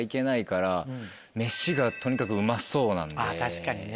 確かにね。